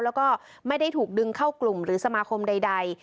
แล้วก็ไม่ได้ถูกดึงเข้ากลุ่มหรือสมาคมใด